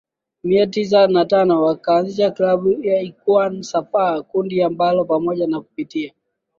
Mia tisa na tano wakaanzisha klabu ya Ikwaan Safaa kundi ambalo pamoja na kupitia